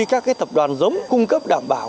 các thập đoàn giống cung cấp đảm bảo